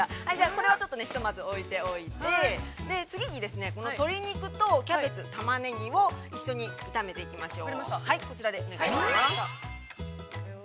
これはひとまず置いておいて、次に、この鶏肉とキャベツ、タマネギを一緒に炒めていきましょう。